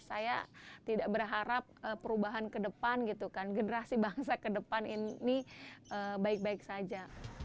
saya tidak berharap perubahan kedepan gitu kan generasi bangsa kedepan ini baik baik saja